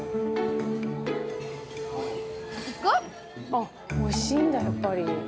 あっおいしいんだやっぱり。